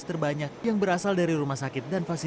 sampai dengan februari ini